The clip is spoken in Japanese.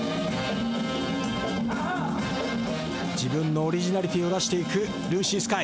自分のオリジナリティーを出していくＬｕｓｓｙＳｋｙ。